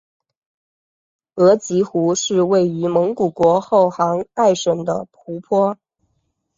额吉湖是位于蒙古国后杭爱省的湖泊。